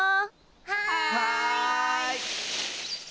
はい！